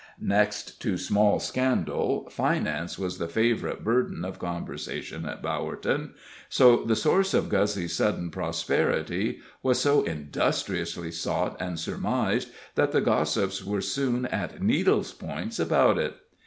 Next to small scandal, finance was the favorite burden of conversation at Bowerton, so the source of Guzzy's sudden prosperity was so industriously sought and surmised that the gossips were soon at needles' points about it.